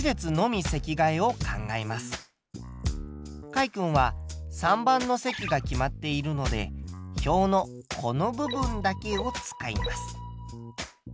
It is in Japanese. かいくんは３番の席が決まっているので表のこの部分だけを使います。